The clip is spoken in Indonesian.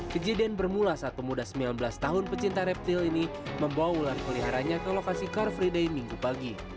kejadian bermula saat pemuda sembilan belas tahun pecinta reptil ini membawa ular peliharanya ke lokasi car free day minggu pagi